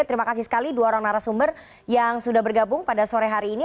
terima kasih sekali dua orang narasumber yang sudah bergabung pada sore hari ini